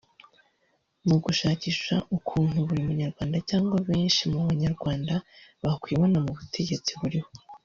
Mu gushakisha ukuntu buri mu nyarwanda cyangwa benshi mu banyarwanda bakwibona mu butegetsi buriho